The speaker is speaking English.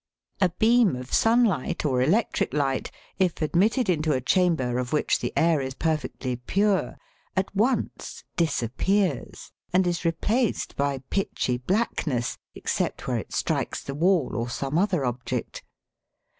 A beam of sunlight or electric light if admitted into a chamber of which the air is perfectly pure at once dis appears, and is replaced by pitchy blackness, except where it strikes the wall or some other object.